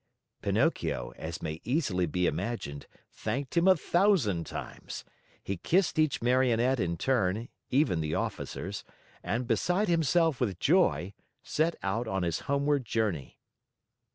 Pinocchio, as may easily be imagined, thanked him a thousand times. He kissed each Marionette in turn, even the officers, and, beside himself with joy, set out on his homeward journey.